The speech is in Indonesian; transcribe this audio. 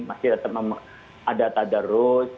masjid tetap ada tadarut